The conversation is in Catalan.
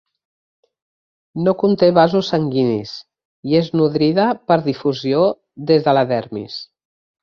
No conté vasos sanguinis, i és nodrida per difusió des de la dermis.